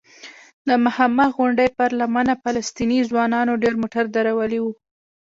د مخامخ غونډۍ پر لمنه فلسطینی ځوانانو ډېر موټر درولي وو.